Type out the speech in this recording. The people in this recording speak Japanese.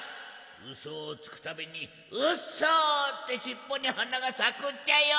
ウソをつくたびにウソってしっぽに花がさくっちゃよ！